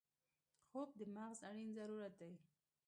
خوب د مغز اړین ضرورت دی